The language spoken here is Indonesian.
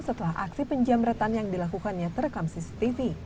setelah aksi penjamretan yang dilakukannya terekam cctv